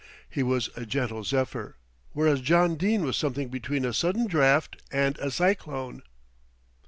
He was a gentle zephyr, whereas John Dene was something between a sudden draught and a cyclone.